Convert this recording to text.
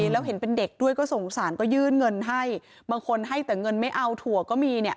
แล้วเห็นเป็นเด็กด้วยก็สงสารก็ยื่นเงินให้บางคนให้แต่เงินไม่เอาถั่วก็มีเนี่ย